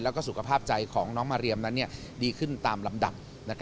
แล้วก็สุขภาพใจของน้องมาเรียมนั้นดีขึ้นตามลำดับ